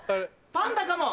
パンダかも！